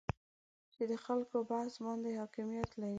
چې د خلکو بحث باندې حاکمیت لري